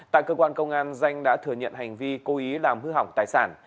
tại cơ quan công an danh đã thừa nhận hành vi cố ý làm hư hỏng tài sản